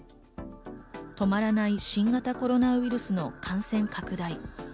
止まらない新型コロナウイルスの感染拡大。